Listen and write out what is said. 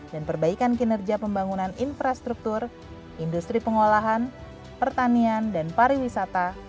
dan perbaikan kinerja pembangunan infrastruktur industri pengolahan pertanian dan para wisata